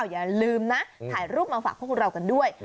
อย่าลืมนะถ่ายรูปมาฝากพวกเรากันด้วย